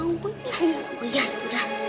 ya allah mudah mudahan